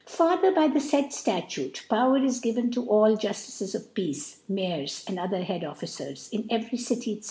* Farther by the &id Statute, * Power is given to all Jufticcs of Peace, Mayers, or other Hkad Officers, in every City, iSc.